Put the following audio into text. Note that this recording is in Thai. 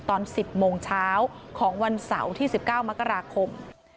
ตอน๑๐โมงเช้าของวันเสาร์ที่๑๙มกราคม